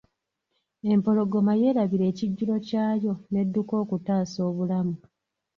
Empologoma yerabira ekijjulo kyayo n'edduka okutaasa obulamu.